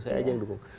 saya aja yang dukung